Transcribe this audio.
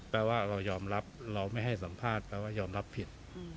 แปลว่าเรายอมรับเราไม่ให้สัมภาษณ์แปลว่ายอมรับผิด